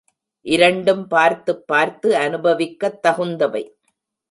இரண்டும் பார்த்துப் பார்த்து அனுபவிக்கத் தகுந்தவை.